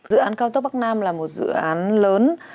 dự án cao tốc bắc nam là một dự án lớn